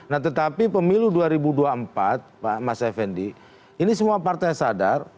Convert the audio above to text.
nah tetapi pemilu dua ribu dua puluh empat mas effendi ini semua partai sadar